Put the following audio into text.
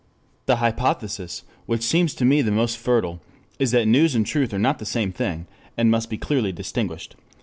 The hypothesis, which seems to me the most fertile, is that news and truth are not the same thing, and must be clearly distinguished.